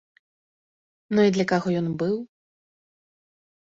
Ну і для каго ён быў?